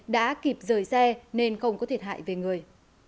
đã kịp rời xe nên không có thiệt hại về người